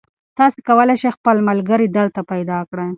تاسي کولای شئ خپل ملګري دلته پیدا کړئ.